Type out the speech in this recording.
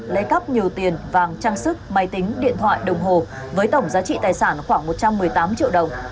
lấy cắp nhiều tiền vàng trang sức máy tính điện thoại đồng hồ với tổng giá trị tài sản khoảng một trăm một mươi tám triệu đồng